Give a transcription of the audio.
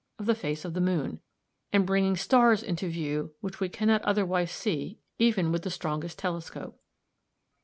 19 of the face of the moon, and bringing stars into view which we cannot otherwise see even with the strongest telescope.